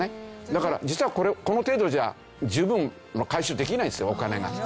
だから実はこの程度じゃ十分回収できないんですよお金が。